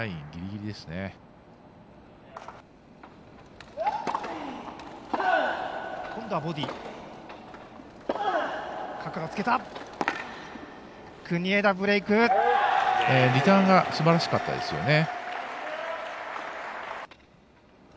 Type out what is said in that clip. リターンがすばらしかったですよね。